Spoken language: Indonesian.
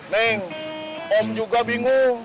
neng om juga bingung